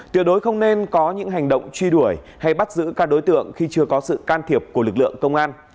tuyệt đối không nên có những hành động truy đuổi hay bắt giữ các đối tượng khi chưa có sự can thiệp của lực lượng công an